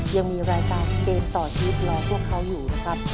ยังมีรายการเกมต่อชีวิตรอพวกเขาอยู่นะครับ